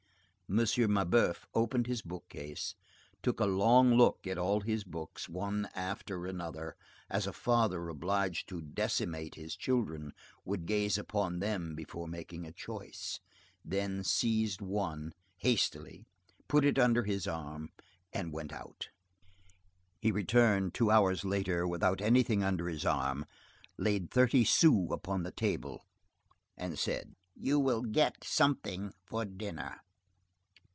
M. Mabeuf opened his bookcase, took a long look at all his books, one after another, as a father obliged to decimate his children would gaze upon them before making a choice, then seized one hastily, put it in under his arm and went out. He returned two hours later, without anything under his arm, laid thirty sous on the table, and said:— "You will get something for dinner."